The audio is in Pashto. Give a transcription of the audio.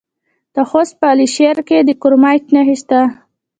د خوست په علي شیر کې د کرومایټ نښې شته.